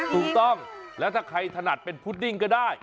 ถูกต้องแล้วถ้าใครถนัดเป็นพุดดิ้งก็ได้